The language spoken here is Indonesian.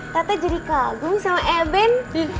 tata jadi kagum sama eben